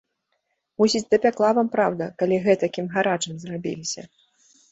Мусіць, дапякла вам праўда, калі гэтакім гарачым зрабіліся.